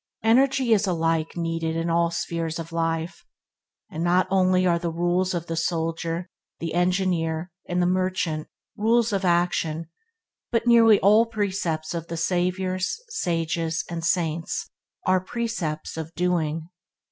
Energy is alike needed in all spheres of life, and not only are the rules of the soldier, the engineer and the merchant rules of action, but nearly all the percepts of the saviors, sages, and saints are precepts of doing.